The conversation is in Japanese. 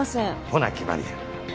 ほな決まりや。